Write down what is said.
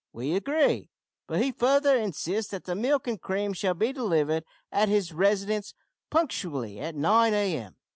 We agree; but he further insists that the milk and cream shall be delivered at his residence punctually at nine a.m.